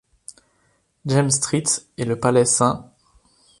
James's Street et le palais St.